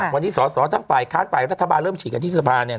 วันนี้สอสอทั้งฝ่ายค้านฝ่ายรัฐบาลเริ่มฉีดกันที่สภาเนี่ย